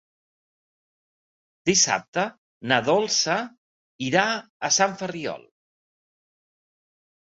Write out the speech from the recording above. Dissabte na Dolça irà a Sant Ferriol.